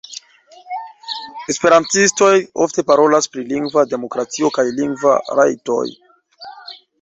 Esperantistoj ofte parolas pri lingva demokratio kaj lingvaj rajtoj.